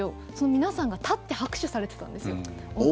皆さんが立って拍手されてたんですよ。